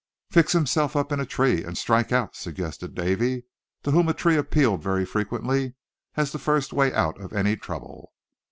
"Fix himself up in a tree, and strike out!" suggested Davy, to whom a tree appealed very frequently as the first way out of any trouble.